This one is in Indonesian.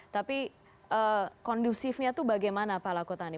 jadi kondusifnya itu bagaimana pak lakotani